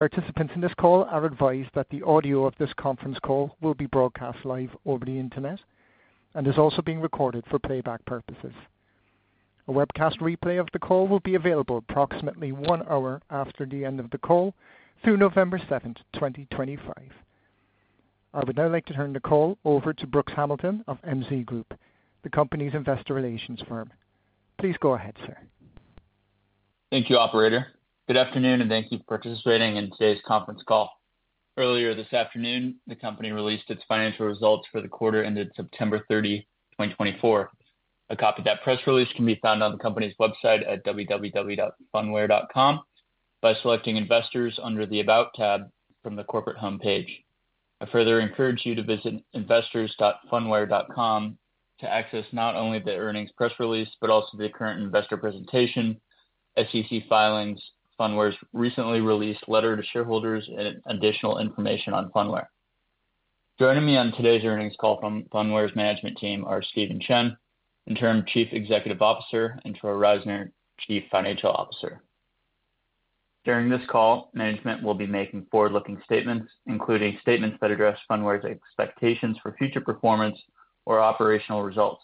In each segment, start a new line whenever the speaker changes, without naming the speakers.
Participants in this call are advised that the audio of this conference call will be broadcast live over the Internet and is also being recorded for playback purposes. A webcast replay of the call will be available approximately one hour after the end of the call through November 7th, 2025. I would now like to turn the call over to Brooks Hamilton of MZ Group, the company's investor relations firm. Please go ahead, sir.
Thank you, Operator. Good afternoon, and thank you for participating in today's conference call. Earlier this afternoon, the company released its financial results for the quarter ended September 30, 2024. A copy of that press release can be found on the company's website at www.phunware.com by selecting Investors under the About tab from the corporate homepage. I further encourage you to visit investors.phunware.com to access not only the earnings press release but also the current investor presentation, SEC filings, Phunware's recently released letter to shareholders, and additional information on Phunware. Joining me on today's earnings call from Phunware's management team are Stephen Chen, Interim Chief Executive Officer, and Troy Reisner, Chief Financial Officer. During this call, management will be making forward-looking statements, including statements that address Phunware's expectations for future performance or operational results.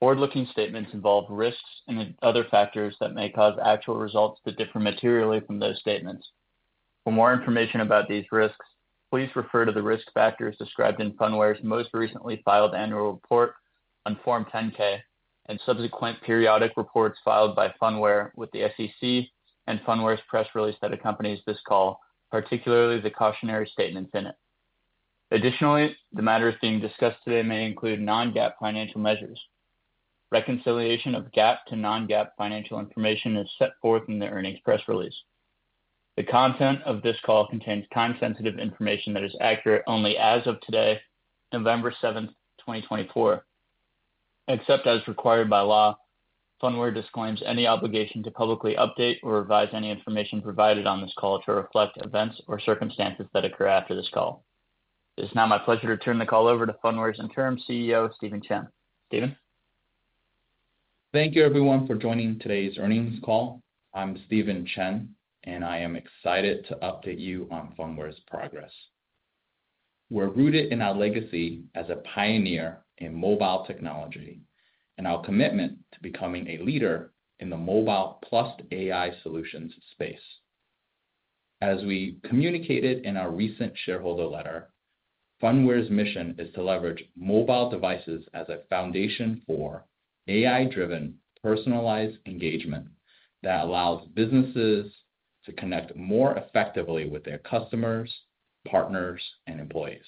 Forward-looking statements involve risks and other factors that may cause actual results to differ materially from those statements. For more information about these risks, please refer to the risk factors described in Phunware's most recently filed annual report on Form 10-K and subsequent periodic reports filed by Phunware with the SEC and Phunware's press release that accompanies this call, particularly the cautionary statements in it. Additionally, the matters being discussed today may include non-GAAP financial measures. Reconciliation of GAAP to non-GAAP financial information is set forth in the earnings press release. The content of this call contains time-sensitive information that is accurate only as of today, November 7th, 2024. Except as required by law, Phunware disclaims any obligation to publicly update or revise any information provided on this call to reflect events or circumstances that occur after this call. It is now my pleasure to turn the call over to Phunware's Interim CEO, Stephen Chen. Stephen?
Thank you, everyone, for joining today's earnings call. I'm Stephen Chen, and I am excited to update you on Phunware's progress. We're rooted in our legacy as a pioneer in mobile technology and our commitment to becoming a leader in the mobile-plus AI solutions space. As we communicated in our recent shareholder letter, Phunware's mission is to leverage mobile devices as a foundation for AI-driven personalized engagement that allows businesses to connect more effectively with their customers, partners, and employees.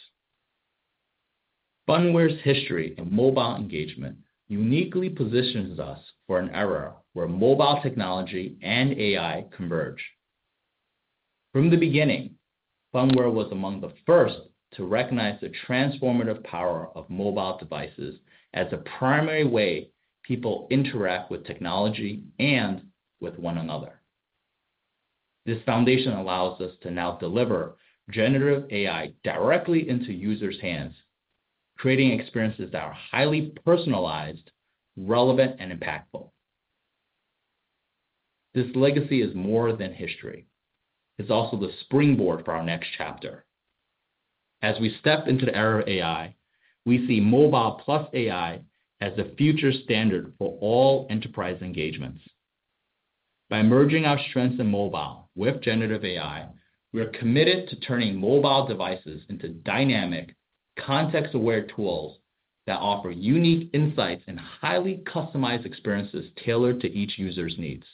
Phunware's history in mobile engagement uniquely positions us for an era where mobile technology and AI converge. From the beginning, Phunware was among the first to recognize the transformative power of mobile devices as a primary way people interact with technology and with one another. This foundation allows us to now deliver generative AI directly into users' hands, creating experiences that are highly personalized, relevant, and impactful. This legacy is more than history. It's also the springboard for our next chapter. As we step into the era of AI, we see mobile-plus AI as the future standard for all enterprise engagements. By merging our strengths in mobile with generative AI, we are committed to turning mobile devices into dynamic, context-aware tools that offer unique insights and highly customized experiences tailored to each user's needs.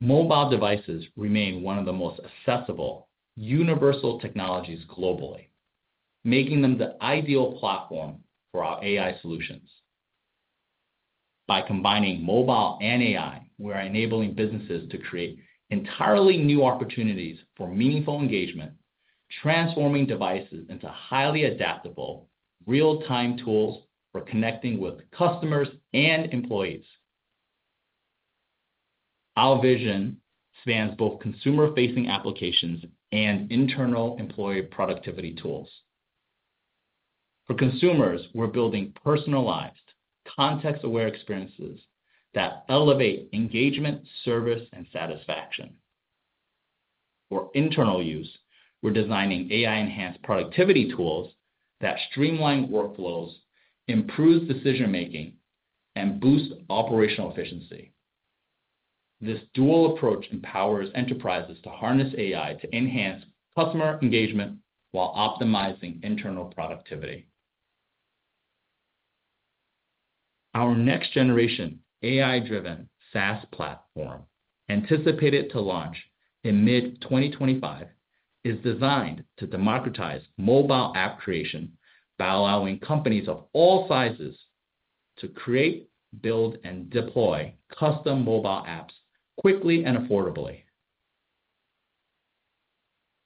Mobile devices remain one of the most accessible universal technologies globally, making them the ideal platform for our AI solutions. By combining mobile and AI, we are enabling businesses to create entirely new opportunities for meaningful engagement, transforming devices into highly adaptable, real-time tools for connecting with customers and employees. Our vision spans both consumer-facing applications and internal employee productivity tools. For consumers, we're building personalized, context-aware experiences that elevate engagement, service, and satisfaction. For internal use, we're designing AI-enhanced productivity tools that streamline workflows, improve decision-making, and boost operational efficiency. This dual approach empowers enterprises to harness AI to enhance customer engagement while optimizing internal productivity. Our next-generation AI-driven SaaS platform, anticipated to launch in mid-2025, is designed to democratize mobile app creation by allowing companies of all sizes to create, build, and deploy custom mobile apps quickly and affordably.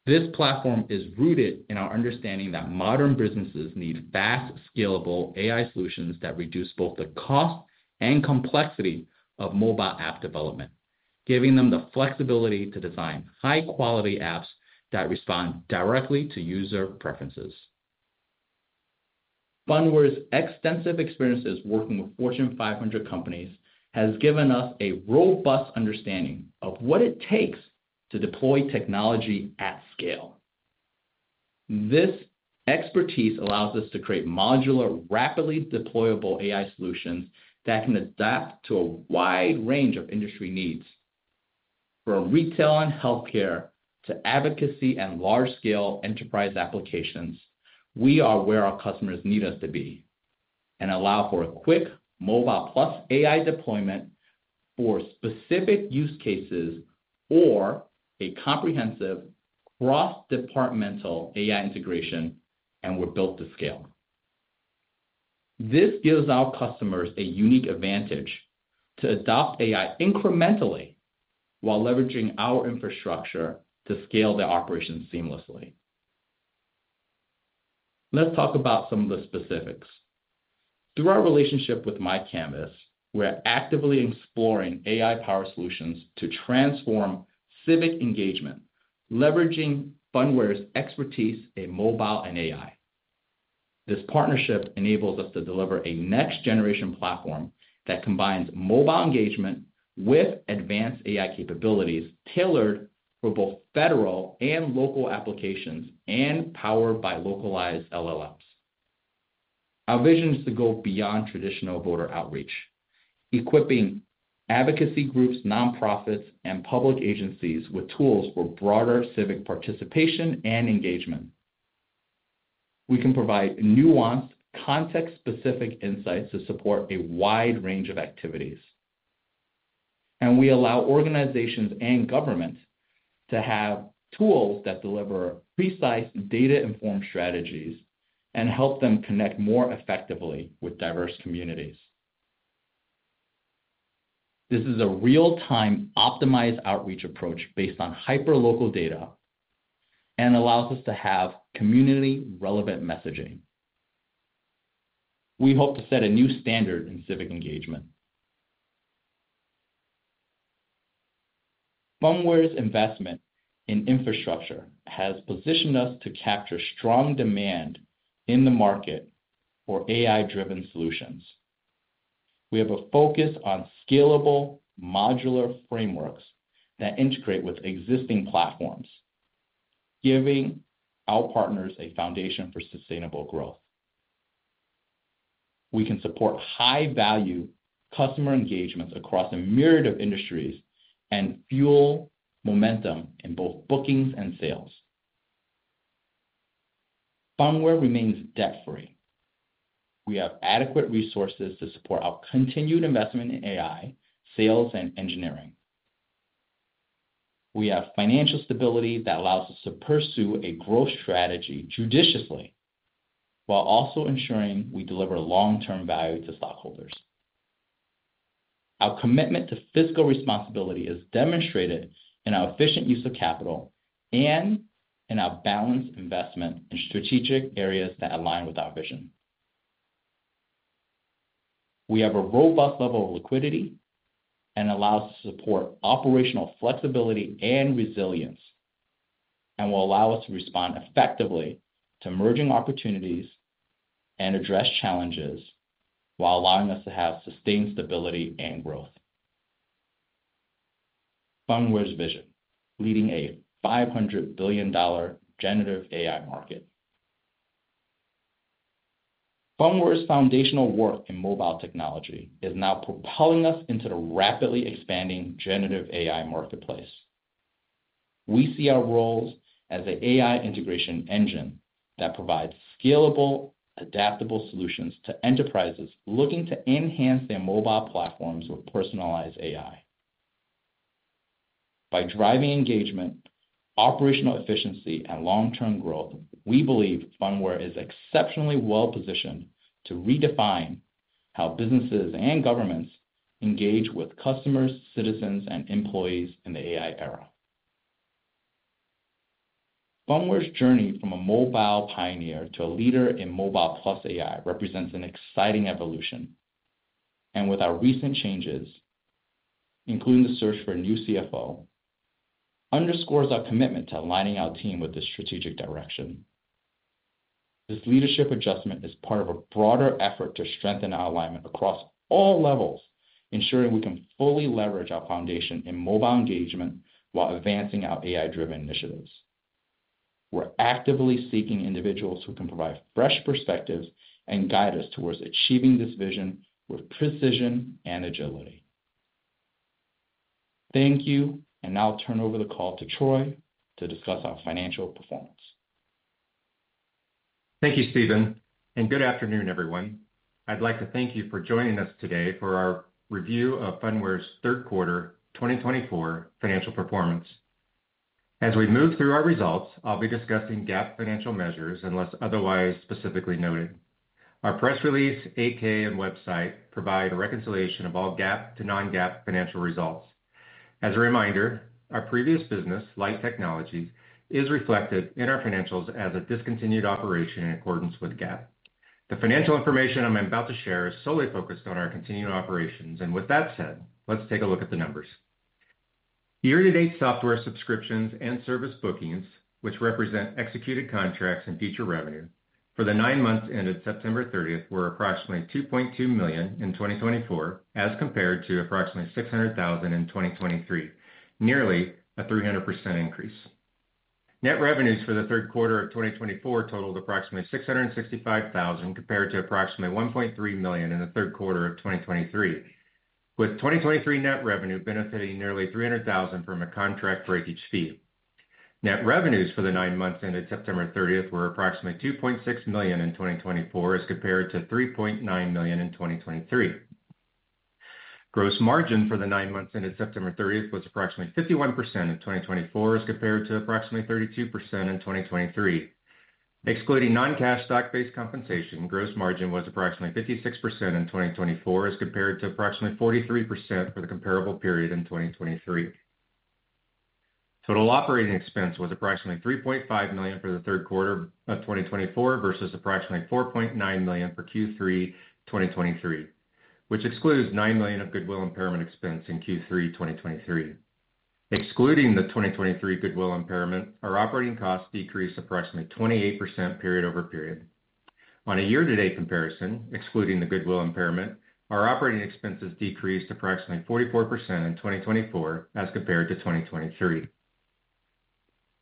This platform is rooted in our understanding that modern businesses need fast, scalable AI solutions that reduce both the cost and complexity of mobile app development, giving them the flexibility to design high-quality apps that respond directly to user preferences. Phunware's extensive experience working with Fortune 500 companies has given us a robust understanding of what it takes to deploy technology at scale. This expertise allows us to create modular, rapidly deployable AI solutions that can adapt to a wide range of industry needs. From retail and healthcare to advocacy and large-scale enterprise applications, we are where our customers need us to be and allow for a quick mobile-plus AI deployment for specific use cases or a comprehensive cross-departmental AI integration, and we're built to scale. This gives our customers a unique advantage to adopt AI incrementally while leveraging our infrastructure to scale their operations seamlessly. Let's talk about some of the specifics. Through our relationship with MyCanvass, we're actively exploring AI-powered solutions to transform civic engagement, leveraging Phunware's expertise in mobile and AI. This partnership enables us to deliver a next-generation platform that combines mobile engagement with advanced AI capabilities tailored for both federal and local applications and powered by localized LLMs. Our vision is to go beyond traditional voter outreach, equipping advocacy groups, nonprofits, and public agencies with tools for broader civic participation and engagement. We can provide nuanced, context-specific insights to support a wide range of activities, and we allow organizations and governments to have tools that deliver precise, data-informed strategies and help them connect more effectively with diverse communities. This is a real-time optimized outreach approach based on hyperlocal data and allows us to have community-relevant messaging. We hope to set a new standard in civic engagement. Phunware's investment in infrastructure has positioned us to capture strong demand in the market for AI-driven solutions. We have a focus on scalable, modular frameworks that integrate with existing platforms, giving our partners a foundation for sustainable growth. We can support high-value customer engagements across a myriad of industries and fuel momentum in both bookings and sales. Phunware remains debt-free. We have adequate resources to support our continued investment in AI, sales, and engineering. We have financial stability that allows us to pursue a growth strategy judiciously while also ensuring we deliver long-term value to stockholders. Our commitment to fiscal responsibility is demonstrated in our efficient use of capital and in our balanced investment in strategic areas that align with our vision. We have a robust level of liquidity and allow us to support operational flexibility and resilience and will allow us to respond effectively to emerging opportunities and address challenges while allowing us to have sustained stability and growth. Phunware's vision: leading a $500 billion generative AI market. Phunware's foundational work in mobile technology is now propelling us into the rapidly expanding generative AI marketplace. We see our roles as an AI integration engine that provides scalable, adaptable solutions to enterprises looking to enhance their mobile platforms with personalized AI. By driving engagement, operational efficiency, and long-term growth, we believe Phunware is exceptionally well-positioned to redefine how businesses and governments engage with customers, citizens, and employees in the AI era. Phunware's journey from a mobile pioneer to a leader in mobile-plus AI represents an exciting evolution, and with our recent changes, including the search for a new CFO, underscores our commitment to aligning our team with this strategic direction. This leadership adjustment is part of a broader effort to strengthen our alignment across all levels, ensuring we can fully leverage our foundation in mobile engagement while advancing our AI-driven initiatives. We're actively seeking individuals who can provide fresh perspectives and guide us towards achieving this vision with precision and agility. Thank you, and I'll turn over the call to Troy to discuss our financial performance.
Thank you, Stephen, and good afternoon, everyone. I'd like to thank you for joining us today for our review of Phunware's third quarter 2024 financial performance. As we move through our results, I'll be discussing GAAP financial measures unless otherwise specifically noted. Our press release, 8-K, and website provide a reconciliation of all GAAP to non-GAAP financial results. As a reminder, our previous business, Lyte Technology, is reflected in our financials as a discontinued operation in accordance with GAAP. The financial information I'm about to share is solely focused on our continued operations, and with that said, let's take a look at the numbers. Year-to-date software subscriptions and service bookings, which represent executed contracts and future revenue for the nine months ended September 30th, were approximately $2.2 million in 2024, as compared to approximately $600,000 in 2023, nearly a 300% increase. Net revenues for the third quarter of 2024 totaled approximately $665,000 compared to approximately $1.3 million in the third quarter of 2023, with 2023 net revenue benefiting nearly $300,000 from a contract breakage fee. Net revenues for the nine months ended September 30th were approximately $2.6 million in 2024, as compared to $3.9 million in 2023. Gross margin for the nine months ended September 30th was approximately 51% in 2024, as compared to approximately 32% in 2023. Excluding non-cash stock-based compensation, gross margin was approximately 56% in 2024, as compared to approximately 43% for the comparable period in 2023. Total operating expense was approximately $3.5 million for the third quarter of 2024 versus approximately $4.9 million for Q3 2023, which excludes $9 million of goodwill impairment expense in Q3 2023. Excluding the 2023 goodwill impairment, our operating costs decreased approximately 28% period over period. On a year-to-date comparison, excluding the goodwill impairment, our operating expenses decreased approximately 44% in 2024 as compared to 2023.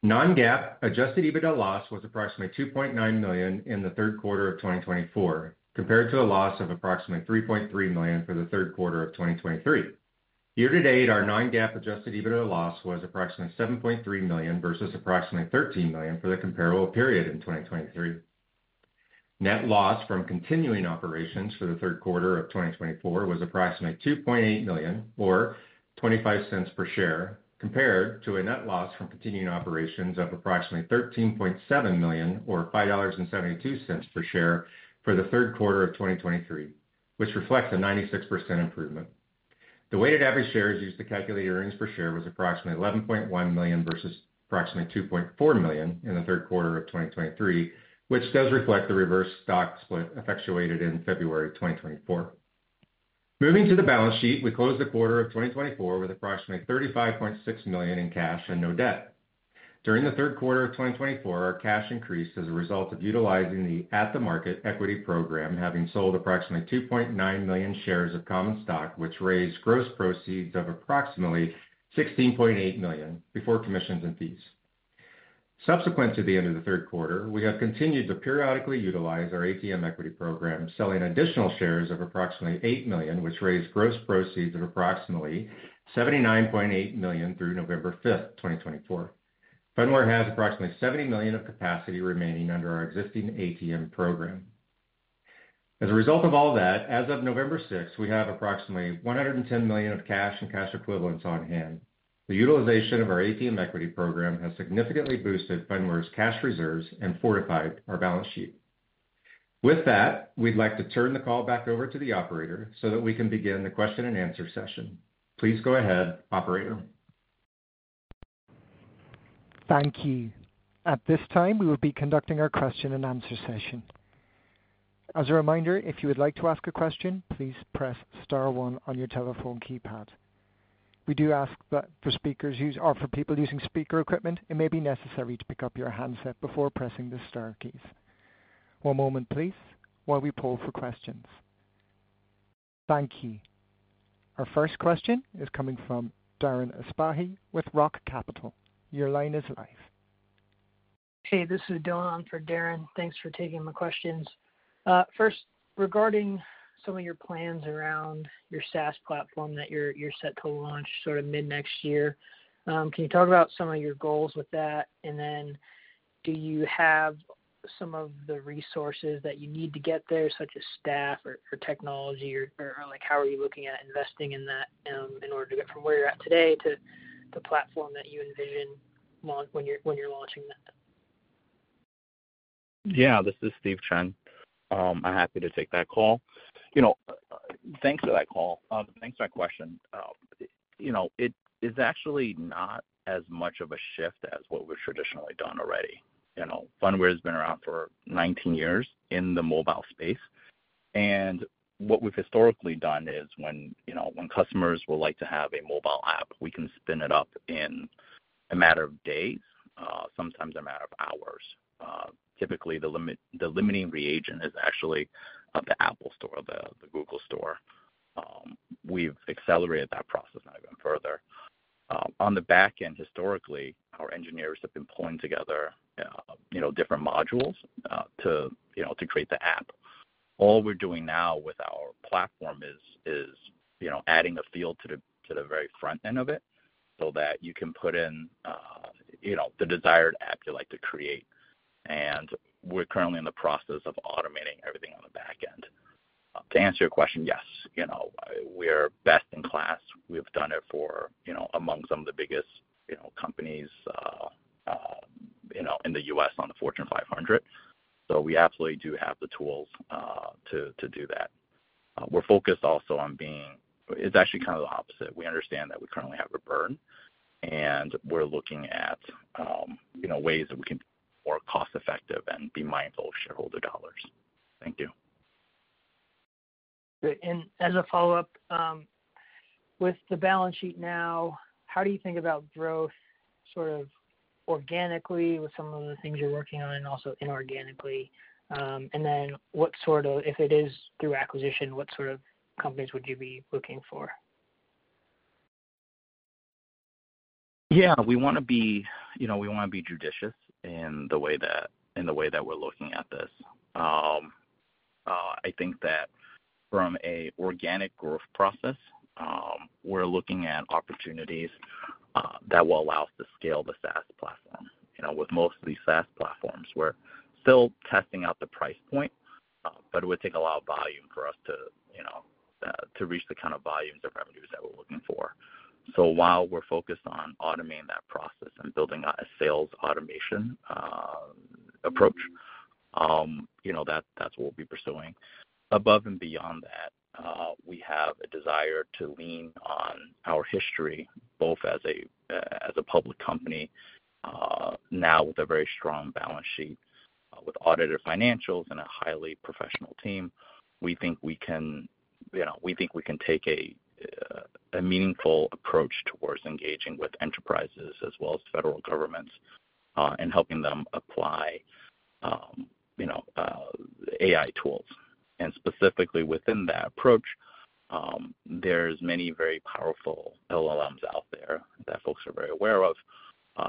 Non-GAAP adjusted EBITDA loss was approximately $2.9 million in the third quarter of 2024, compared to a loss of approximately $3.3 million for the third quarter of 2023. Year-to-date, our non-GAAP adjusted EBITDA loss was approximately $7.3 million versus approximately $13 million for the comparable period in 2023. Net loss from continuing operations for the third quarter of 2024 was approximately $2.8 million, or $0.25 per share, compared to a net loss from continuing operations of approximately $13.7 million, or $5.72 per share for the third quarter of 2023, which reflects a 96% improvement. The weighted average shares used to calculate earnings per share was approximately 11.1 million versus approximately 2.4 million in the third quarter of 2023, which does reflect the reverse stock split effectuated in February 2024. Moving to the balance sheet, we closed the quarter of 2024 with approximately $35.6 million in cash and no debt. During the third quarter of 2024, our cash increased as a result of utilizing the At the Market equity program, having sold approximately 2.9 million shares of common stock, which raised gross proceeds of approximately $16.8 million before commissions and fees. Subsequent to the end of the third quarter, we have continued to periodically utilize our ATM equity program, selling additional shares of approximately 8 million, which raised gross proceeds of approximately $79.8 million through November 5th, 2024. Phunware has approximately $70 million of capacity remaining under our existing ATM program. As a result of all that, as of November 6th, we have approximately $110 million of cash and cash equivalents on hand. The utilization of our ATM equity program has significantly boosted Phunware's cash reserves and fortified our balance sheet. With that, we'd like to turn the call back over to the operator so that we can begin the question-and-answer session. Please go ahead, operator.
Thank you. At this time, we will be conducting our question-and-answer session. As a reminder, if you would like to ask a question, please press star one on your telephone keypad. We do ask that for speakers or for people using speaker equipment, it may be necessary to pick up your handset before pressing the star keys. One moment, please, while we poll for questions. Thank you. Our first question is coming from Darren Aftahi with Roth Capital Partners. Your line is live. Hey, this is Dawn for Darren. Thanks for taking my questions. First, regarding some of your plans around your SaaS platform that you're set to launch sort of mid-next year, can you talk about some of your goals with that? And then do you have some of the resources that you need to get there, such as staff or technology, or how are you looking at investing in that in order to get from where you're at today to the platform that you envision when you're launching that?
Yeah, this is Stephen Chen. I'm happy to take that call. Thanks for that call. Thanks for that question. It is actually not as much of a shift as what we've traditionally done already. Phunware has been around for 19 years in the mobile space. And what we've historically done is when customers would like to have a mobile app, we can spin it up in a matter of days, sometimes a matter of hours. Typically, the limiting reagent is actually the App Store, the Google Play Store. We've accelerated that process now even further. On the back end, historically, our engineers have been pulling together different modules to create the app. All we're doing now with our platform is adding a field to the very front end of it so that you can put in the desired app you'd like to create. And we're currently in the process of automating everything on the back end. To answer your question, yes, we are best in class. We have done it for among some of the biggest companies in the U.S. on the Fortune 500. So we absolutely do have the tools to do that. We're focused also on being. It's actually kind of the opposite. We understand that we currently have a burn, and we're looking at ways that we can be more cost-effective and be mindful of shareholder dollars. Thank you. Great. And as a follow-up, with the balance sheet now, how do you think about growth sort of organically with some of the things you're working on and also inorganically? And then what sort of, if it is through acquisition, what sort of companies would you be looking for? Yeah, we want to be judicious in the way that we're looking at this. I think that from an organic growth process, we're looking at opportunities that will allow us to scale the SaaS platform. With most of these SaaS platforms, we're still testing out the price point, but it would take a lot of volume for us to reach the kind of volumes of revenues that we're looking for. So while we're focused on automating that process and building a sales automation approach, that's what we'll be pursuing. Above and beyond that, we have a desire to lean on our history, both as a public company now with a very strong balance sheet, with audited financials and a highly professional team. We think we can take a meaningful approach toward engaging with enterprises as well as federal governments and helping them apply AI tools, and specifically within that approach, there are many very powerful LLMs out there that folks are very aware of.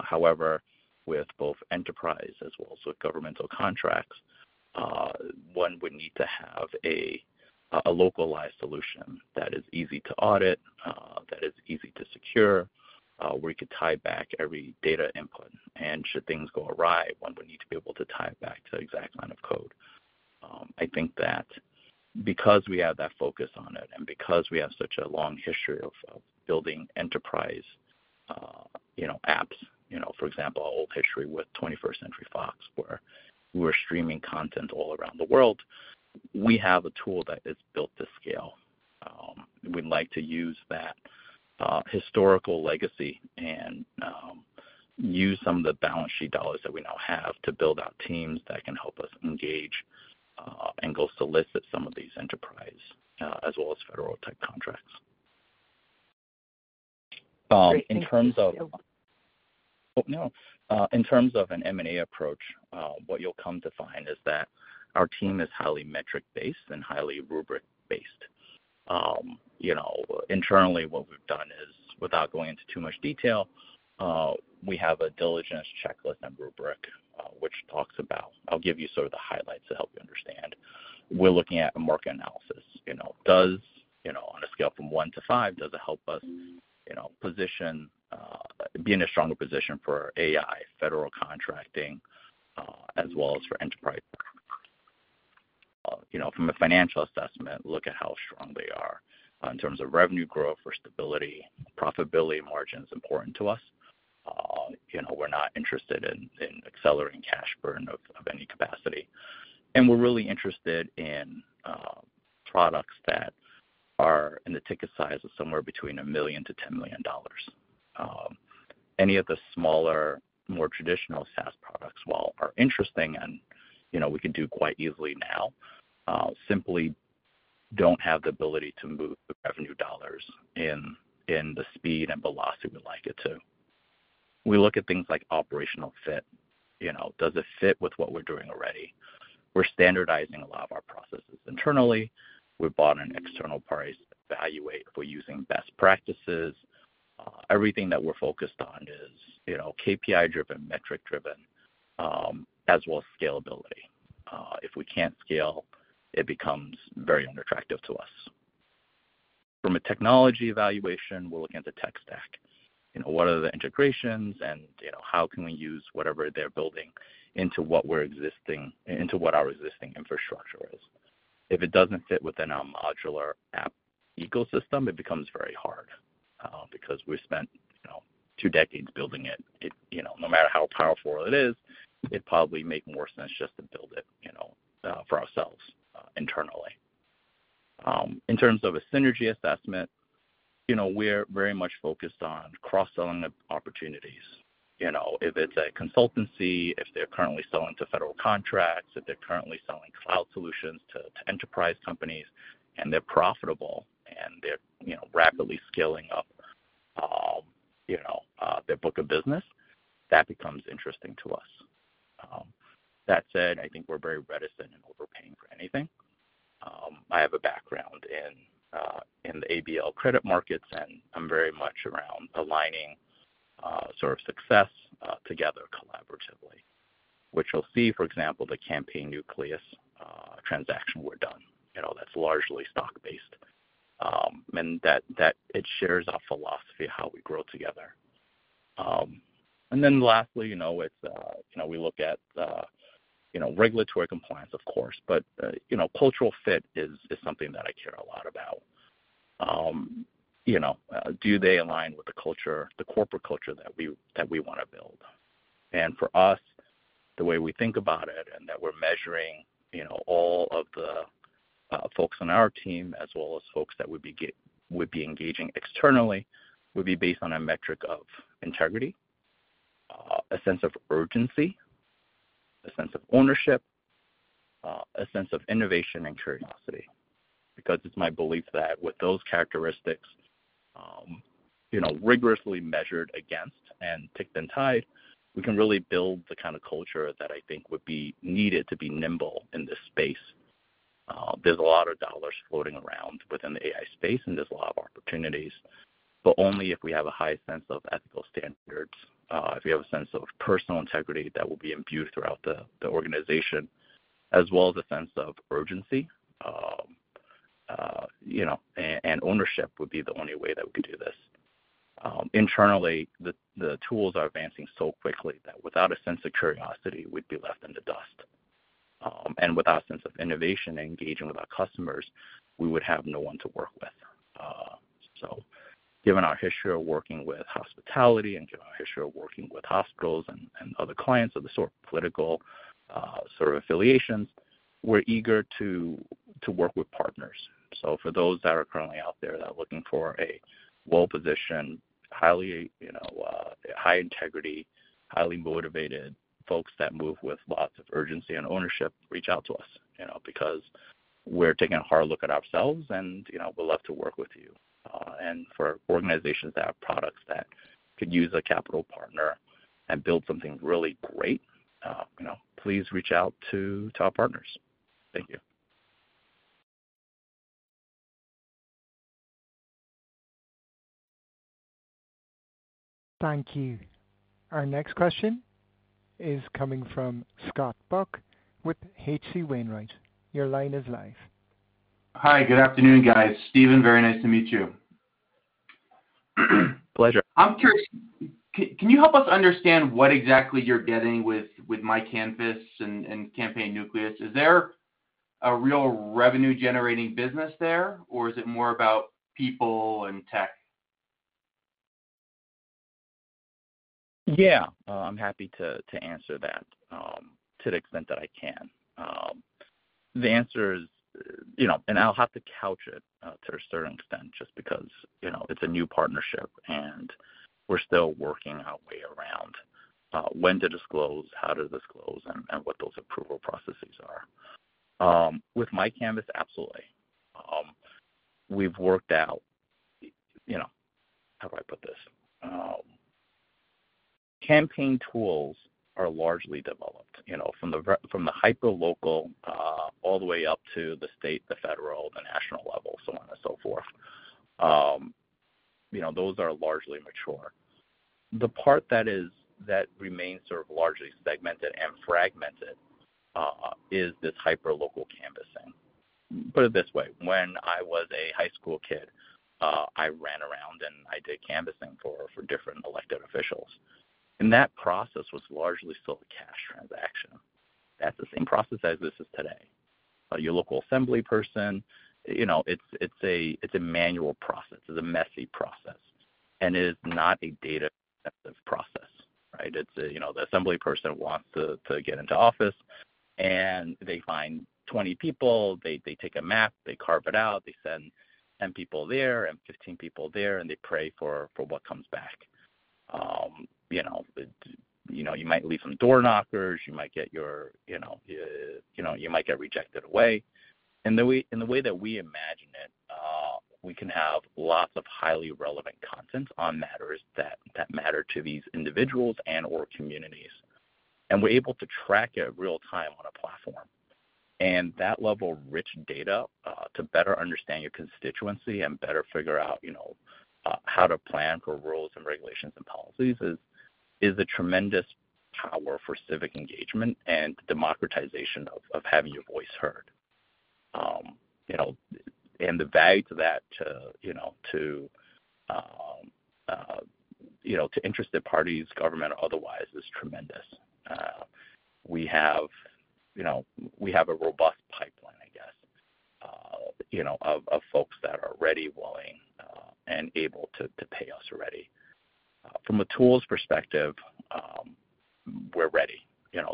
However, with both enterprise as well as with governmental contracts, one would need to have a localized solution that is easy to audit, that is easy to secure, where you could tie back every data input, and should things go awry, one would need to be able to tie it back to the exact line of code. I think that because we have that focus on it and because we have such a long history of building enterprise apps, for example, our old history with 21st Century Fox, where we were streaming content all around the world, we have a tool that is built to scale. We'd like to use that historical legacy and use some of the balance sheet dollars that we now have to build out teams that can help us engage and go solicit some of these enterprise as well as federal-type contracts. Great. Thank you. In terms of an M&A approach, what you'll come to find is that our team is highly metric-based and highly rubric-based. Internally, what we've done is, without going into too much detail, we have a diligence checklist and rubric, which talks about I'll give you sort of the highlights to help you understand. We're looking at a market analysis. On a scale from one to five, does it help us position be in a stronger position for AI, federal contracting, as well as for enterprise? From a financial assessment, look at how strong they are in terms of revenue growth or stability. Profitability margin is important to us. We're not interested in accelerating cash burn of any capacity. And we're really interested in products that are in the ticket size of somewhere between $1 million-$10 million. Any of the smaller, more traditional SaaS products, while interesting and we can do quite easily now, simply don't have the ability to move the revenue dollars in the speed and velocity we'd like it to. We look at things like operational fit. Does it fit with what we're doing already? We're standardizing a lot of our processes internally. We brought an external party to evaluate if we're using best practices. Everything that we're focused on is KPI-driven, metric-driven, as well as scalability. If we can't scale, it becomes very unattractive to us. From a technology evaluation, we're looking at the tech stack. What are the integrations, and how can we use whatever they're building into what our existing infrastructure is? If it doesn't fit within our modular app ecosystem, it becomes very hard because we've spent two decades building it. No matter how powerful it is, it'd probably make more sense just to build it for ourselves internally. In terms of a synergy assessment, we're very much focused on cross-selling opportunities. If it's a consultancy, if they're currently selling to federal contracts, if they're currently selling cloud solutions to enterprise companies, and they're profitable and they're rapidly scaling up their book of business, that becomes interesting to us. That said, I think we're very reticent in overpaying for anything. I have a background in the ABL credit markets, and I'm very much around aligning sort of success together collaboratively, which you'll see, for example, the Campaign Nucleus transaction we did. That's largely stock-based, and it shares our philosophy of how we grow together, and then lastly, we look at regulatory compliance, of course, but cultural fit is something that I care a lot about. Do they align with the corporate culture that we want to build? And for us, the way we think about it and that we're measuring all of the folks on our team as well as folks that we'd be engaging externally would be based on a metric of integrity, a sense of urgency, a sense of ownership, a sense of innovation, and curiosity. Because it's my belief that with those characteristics rigorously measured against and ticked and tied, we can really build the kind of culture that I think would be needed to be nimble in this space. There's a lot of dollars floating around within the AI space, and there's a lot of opportunities. But only if we have a high sense of ethical standards, if we have a sense of personal integrity that will be imbued throughout the organization, as well as a sense of urgency and ownership, would be the only way that we could do this. Internally, the tools are advancing so quickly that without a sense of curiosity, we'd be left in the dust. And without a sense of innovation and engaging with our customers, we would have no one to work with. So given our history of working with hospitality and given our history of working with hospitals and other clients of the sort of political sort of affiliations, we're eager to work with partners. So for those that are currently out there that are looking for a well-positioned, high integrity, highly motivated folks that move with lots of urgency and ownership, reach out to us because we're taking a hard look at ourselves, and we'd love to work with you. And for organizations that have products that could use a capital partner and build something really great, please reach out to our partners. Thank you.
Thank you. Our next question is coming from Scott Buck with H.C. Wainwright. Your line is live.
Hi. Good afternoon, guys. Stephen, very nice to meet you.
Pleasure.
I'm curious, can you help us understand what exactly you're getting with MyCanvass and Campaign Nucleus? Is there a real revenue-generating business there, or is it more about people and tech?
Yeah, I'm happy to answer that to the extent that I can. The answer is, and I'll have to couch it to a certain extent just because it's a new partnership, and we're still working our way around when to disclose, how to disclose, and what those approval processes are. With MyCanvass, absolutely. We've worked out how do I put this? Campaign tools are largely developed from the hyperlocal all the way up to the state, the federal, the national level, so on and so forth. Those are largely mature. The part that remains sort of largely segmented and fragmented is this hyperlocal canvassing. Put it this way. When I was a high school kid, I ran around and I did canvassing for different elected officials. And that process was largely still a cash transaction. That's the same process as this is today. Your local assembly person, it's a manual process. It's a messy process. And it is not a data-intensive process, right? It's the assembly person wants to get into office, and they find 20 people. They take a map. They carve it out. They send 10 people there and 15 people there, and they pray for what comes back. You might leave some door knockers. You might get yours rejected away. And the way that we imagine it, we can have lots of highly relevant content on matters that matter to these individuals and/or communities. And we're able to track it real-time on a platform. And that level of rich data to better understand your constituency and better figure out how to plan for rules and regulations and policies is a tremendous power for civic engagement and democratization of having your voice heard. The value to that to interested parties, government, or otherwise is tremendous. We have a robust pipeline, I guess, of folks that are ready, willing, and able to pay us already. From a tools perspective, we're ready.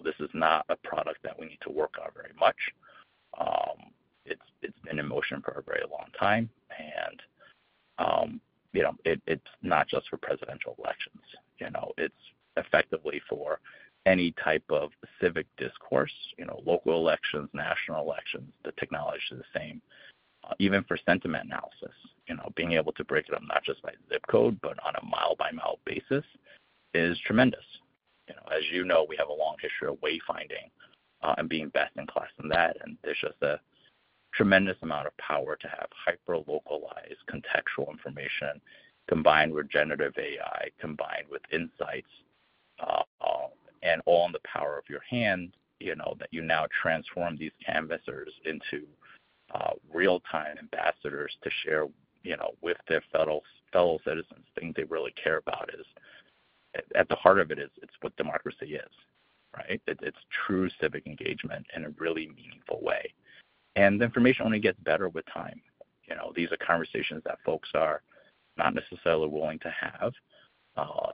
This is not a product that we need to work on very much. It's been in motion for a very long time. And it's not just for presidential elections. It's effectively for any type of civic discourse, local elections, national elections. The technology is the same. Even for sentiment analysis, being able to break it up not just by zip code, but on a mile-by-mile basis is tremendous. As you know, we have a long history of wayfinding and being best in class in that. And there's just a tremendous amount of power to have hyperlocalized contextual information combined with generative AI, combined with insights, and all in the power of your hand that you now transform these canvassers into real-time ambassadors to share with their fellow citizens things they really care about. At the heart of it, it's what democracy is, right? It's true civic engagement in a really meaningful way. And the information only gets better with time. These are conversations that folks are not necessarily willing to have.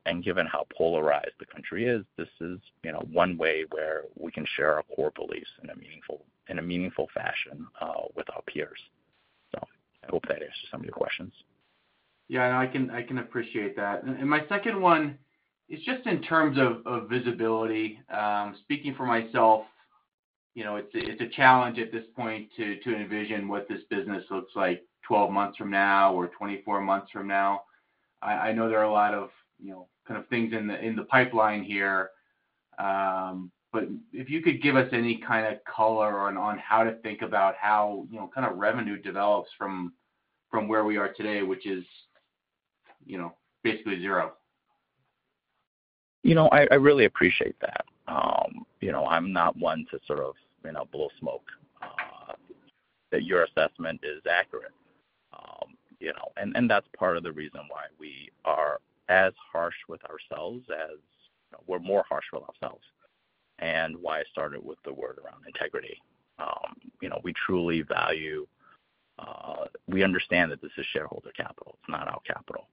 And given how polarized the country is, this is one way where we can share our core beliefs in a meaningful fashion with our peers. So I hope that answers some of your questions.
Yeah, I can appreciate that. And my second one is just in terms of visibility. Speaking for myself, it's a challenge at this point to envision what this business looks like 12 months from now or 24 months from now. I know there are a lot of kind of things in the pipeline here. But if you could give us any kind of color on how to think about how kind of revenue develops from where we are today, which is basically zero?
I really appreciate that. I'm not one to sort of blow smoke that your assessment is accurate. And that's part of the reason why we are as harsh with ourselves as we're more harsh with ourselves. And why I started with the word around integrity. We truly value we understand that this is shareholder capital. It's not our capital.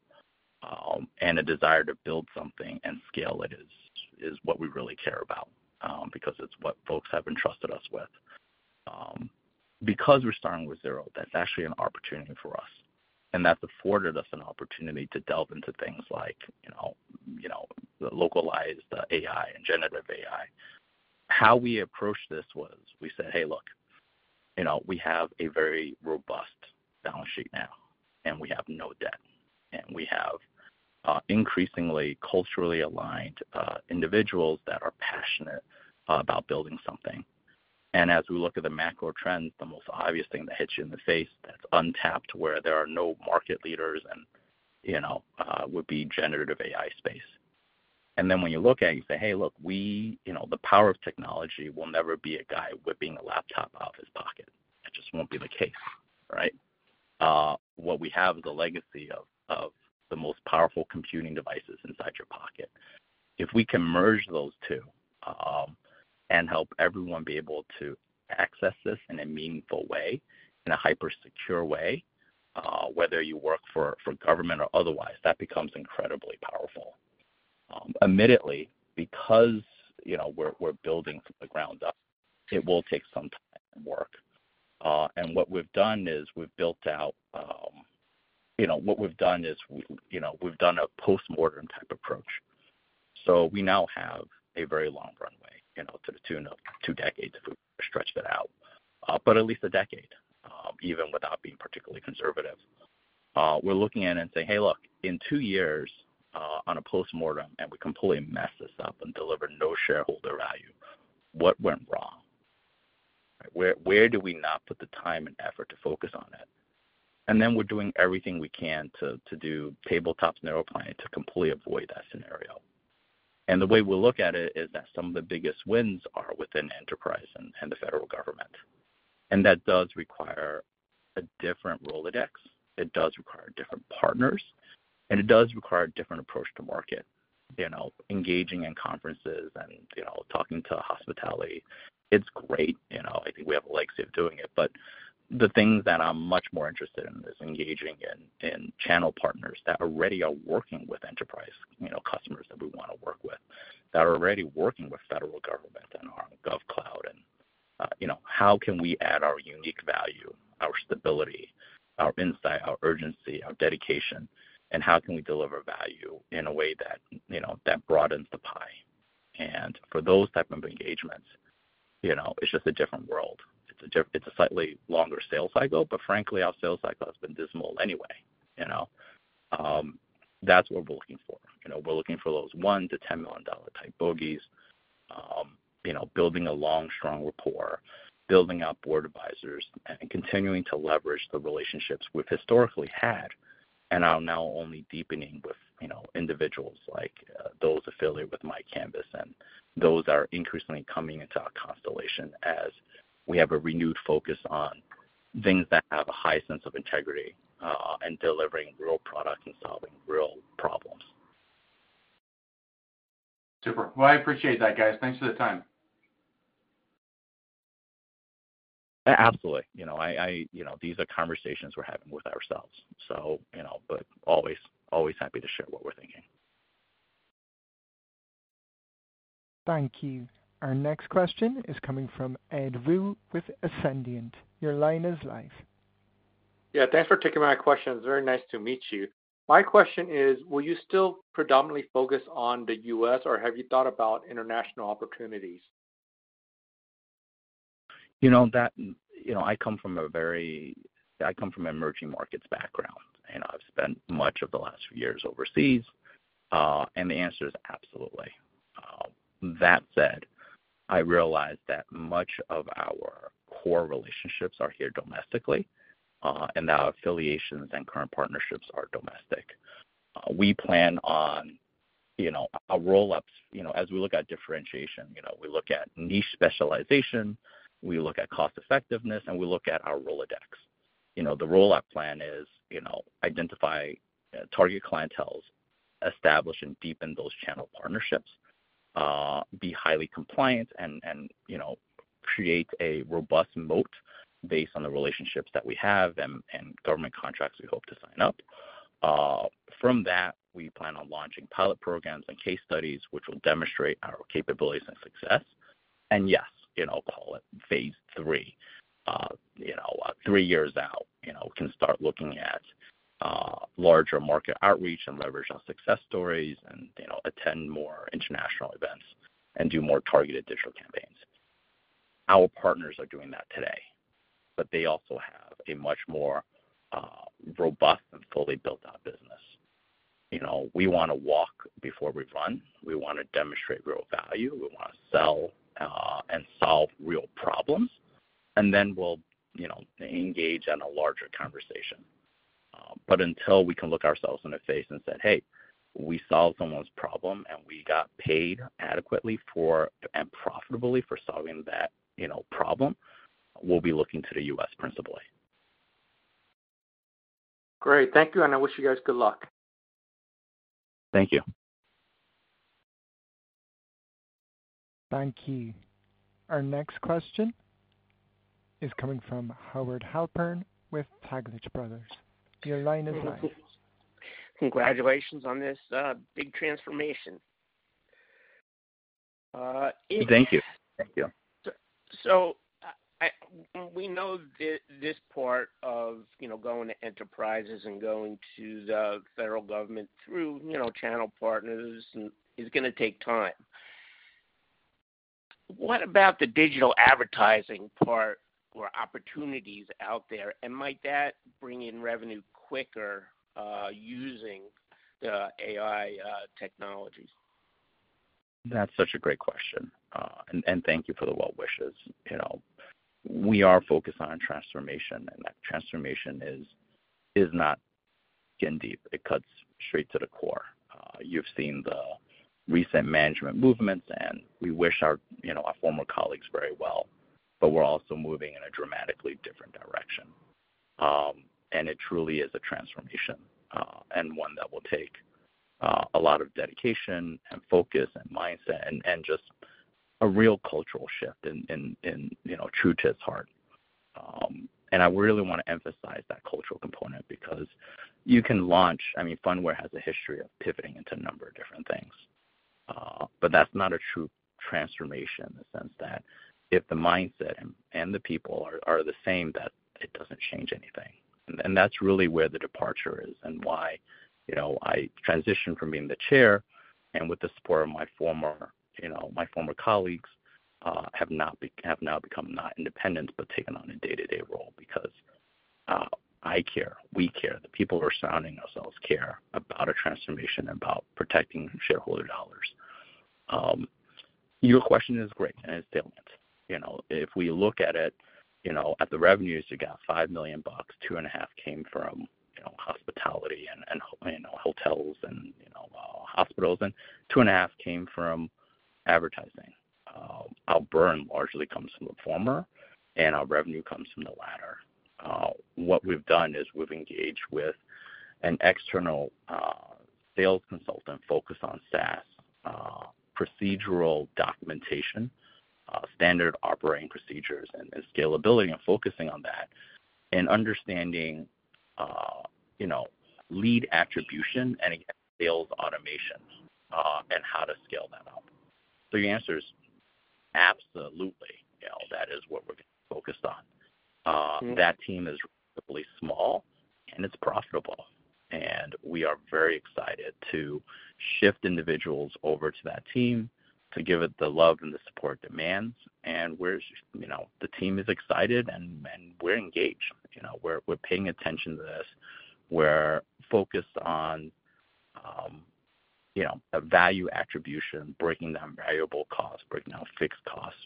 And a desire to build something and scale it is what we really care about because it's what folks have entrusted us with. Because we're starting with zero, that's actually an opportunity for us. And that's afforded us an opportunity to delve into things like the localized AI and generative AI. How we approached this was we said, "Hey, look, we have a very robust balance sheet now, and we have no debt. And we have increasingly culturally aligned individuals that are passionate about building something." And as we look at the macro trends, the most obvious thing that hits you in the face that's untapped where there are no market leaders would be generative AI space. And then when you look at it, you say, "Hey, look, the power of technology will never be a guy whipping a laptop out of his pocket." That just won't be the case, right? What we have is a legacy of the most powerful computing devices inside your pocket. If we can merge those two and help everyone be able to access this in a meaningful way, in a hypersecure way, whether you work for government or otherwise, that becomes incredibly powerful. Immediately, because we're building from the ground up, it will take some time and work. What we've done is we've built out a post-mortem type approach. So we now have a very long runway to the tune of two decades if we stretch that out, but at least a decade, even without being particularly conservative. We're looking at it and saying, "Hey, look, in two years on a post-mortem, and we completely mess this up and deliver no shareholder value, what went wrong? Where did we not put the time and effort to focus on it?" Then we're doing everything we can to do tabletops, narrow plan to completely avoid that scenario. The way we look at it is that some of the biggest wins are within enterprise and the federal government. That does require a different Rolodex. It does require different partners, and it does require a different approach to market, engaging in conferences and talking to hospitality. It's great. I think we have a legacy of doing it. But the things that I'm much more interested in is engaging in channel partners that already are working with enterprise customers that we want to work with, that are already working with federal government and our GovCloud. And how can we add our unique value, our stability, our insight, our urgency, our dedication, and how can we deliver value in a way that broadens the pie? And for those types of engagements, it's just a different world. It's a slightly longer sales cycle, but frankly, our sales cycle has been dismal anyway. That's what we're looking for. We're looking for those $1 million-$10 million type bogies, building a long, strong rapport, building out board advisors, and continuing to leverage the relationships we've historically had and are now only deepening with individuals like those affiliated with MyCanvass and those that are increasingly coming into our constellation as we have a renewed focus on things that have a high sense of integrity and delivering real products and solving real problems.
Super. Well, I appreciate that, guys. Thanks for the time.
Absolutely. These are conversations we're having with ourselves. But always happy to share what we're thinking.
Thank you. Our next question is coming from Ed Woo with Ascendiant. Your line is live.
Yeah, thanks for taking my question. It's very nice to meet you. My question is, will you still predominantly focus on the U.S., or have you thought about international opportunities?
I come from an emerging markets background, and I've spent much of the last few years overseas. And the answer is absolutely. That said, I realize that much of our core relationships are here domestically, and our affiliations and current partnerships are domestic. We plan on our roll-ups. As we look at differentiation, we look at niche specialization, we look at cost-effectiveness, and we look at our Rolodex. The roll-up plan is identify target clienteles, establish and deepen those channel partnerships, be highly compliant, and create a robust moat based on the relationships that we have and government contracts we hope to sign up. From that, we plan on launching pilot programs and case studies, which will demonstrate our capabilities and success. And yes, call it phase three. Three years out, we can start looking at larger market outreach and leverage our success stories and attend more international events and do more targeted digital campaigns. Our partners are doing that today, but they also have a much more robust and fully built-out business. We want to walk before we run. We want to demonstrate real value. We want to sell and solve real problems. And then we'll engage in a larger conversation. But until we can look ourselves in the face and say, "Hey, we solved someone's problem, and we got paid adequately and profitably for solving that problem," we'll be looking to the U.S. principally.
Great. Thank you. And I wish you guys good luck.
Thank you.
Thank you. Our next question is coming from Howard Halpern with Taglich Brothers. Your line is live.
Congratulations on this big transformation.
Thank you.
So we know this part of going to enterprises and going to the federal government through channel partners is going to take time. What about the digital advertising part or opportunities out there? And might that bring in revenue quicker using the AI technologies?
That's such a great question, and thank you for the well wishes. We are focused on transformation, and that transformation is not skin deep. It cuts straight to the core. You've seen the recent management movements, and we wish our former colleagues very well, but we're also moving in a dramatically different direction, and it truly is a transformation and one that will take a lot of dedication and focus and mindset and just a real cultural shift true to its heart, and I really want to emphasize that cultural component because you can launch I mean, Phunware has a history of pivoting into a number of different things, but that's not a true transformation in the sense that if the mindset and the people are the same, that it doesn't change anything. And that's really where the departure is and why I transitioned from being the chair and with the support of my former colleagues have now become not independent, but taken on a day-to-day role because I care, we care, the people who are surrounding ourselves care about a transformation about protecting shareholder dollars. Your question is great and it's brilliant. If we look at it, at the revenues, you got $5 million. $2.5 came from hospitality and hotels and hospitals, and $2.5 came from advertising. Our burn largely comes from the former, and our revenue comes from the latter. What we've done is we've engaged with an external sales consultant focused on SaaS, procedural documentation, standard operating procedures, and scalability and focusing on that and understanding lead attribution and sales automation and how to scale that up. So your answer is absolutely. That is what we're focused on. That team is really small, and it's profitable and we are very excited to shift individuals over to that team to give it the love and the support it demands, and the team is excited, and we're engaged. We're paying attention to this. We're focused on value attribution, breaking down variable costs, breaking down fixed costs,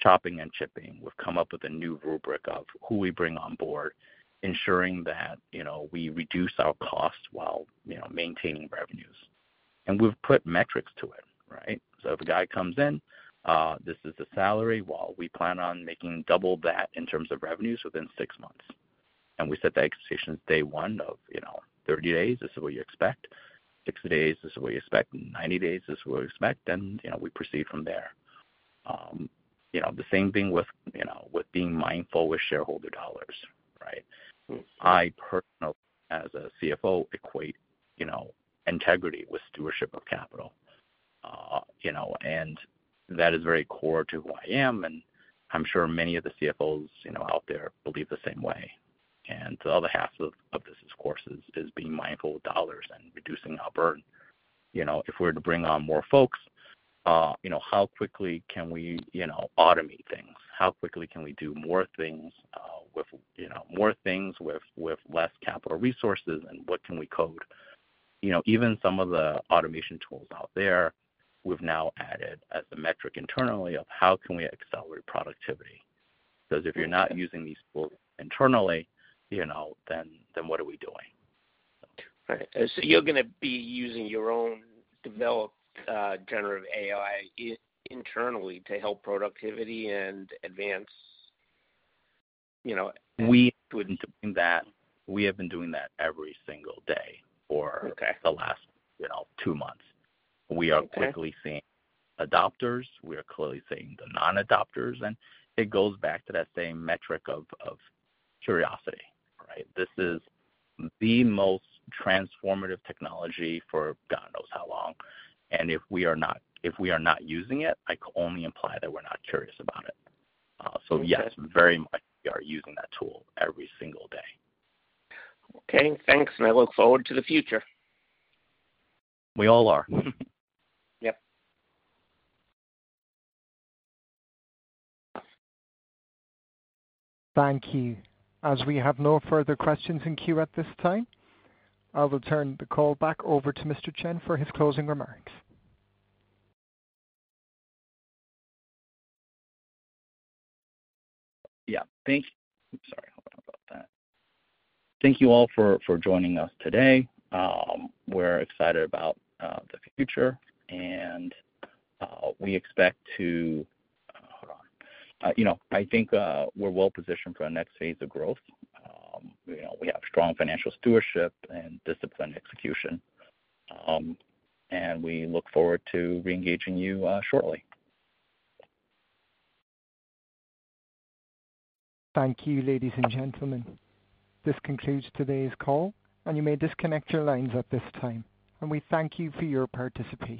chopping and chipping. We've come up with a new rubric of who we bring on board, ensuring that we reduce our costs while maintaining revenues, and we've put metrics to it, right? So if a guy comes in, this is the salary, while we plan on making double that in terms of revenues within six months, and we set the expectations day one of 30 days. This is what you expect. 60 days, this is what you expect. 90 days, this is what we expect. We proceed from there. The same thing with being mindful with shareholder dollars, right? I personally, as a CFO, equate integrity with stewardship of capital. And that is very core to who I am. And I'm sure many of the CFOs out there believe the same way. And the other half of this, of course, is being mindful with dollars and reducing our burden. If we're to bring on more folks, how quickly can we automate things? How quickly can we do more things with more things with less capital resources? And what can we code? Even some of the automation tools out there, we've now added as a metric internally of how can we accelerate productivity? Because if you're not using these tools internally, then what are we doing?
So you're going to be using your own developed generative AI internally to help productivity and advance?
We've been doing that. We have been doing that every single day for the last two months. We are quickly seeing adopters. We are clearly seeing the non-adopters, and it goes back to that same metric of curiosity, right? This is the most transformative technology for God knows how long, and if we are not using it, I can only imply that we're not curious about it, so yes, very much we are using that tool every single day.
Okay. Thanks, and I look forward to the future.
We all are.
Yep.
Thank you. As we have no further questions in queue at this time, I will turn the call back over to Mr. Chen for his closing remarks.
Yeah. Thank you. Sorry. Hold on about that. Thank you all for joining us today. We're excited about the future, and we expect to hold on. I think we're well positioned for our next phase of growth. We have strong financial stewardship and disciplined execution, and we look forward to re-engaging you shortly.
Thank you, ladies and gentlemen. This concludes today's call, and you may disconnect your lines at this time, and we thank you for your participation.